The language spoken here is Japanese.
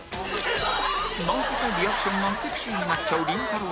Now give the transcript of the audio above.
なぜかリアクションがセクシーになっちゃうりんたろー。